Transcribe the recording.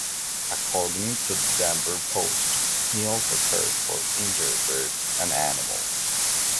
According to the "Denver Post", he also cared for injured birds and animals.